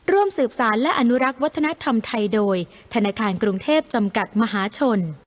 ร่วมสืบสารและอนุรักษ์วัฒนธรรมไทยโดยธนาคารกรุงเทพจำกัดมหาชน